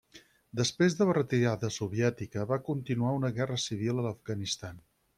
Després de la retirada soviètica va continuar una guerra civil a l'Afganistan.